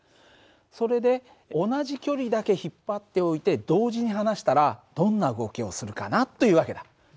それで同じ距離だけ引っ張っておいて同時に離したらどんな動きをするかなという訳だ。